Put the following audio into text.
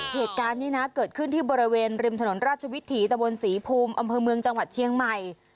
เหตุการณ์นี้นะเกิดขึ้นที่บริเวณริมถนนราชวิถีตะบนศรีภูมิอำเภอเมืองจังหวัดเชียงใหม่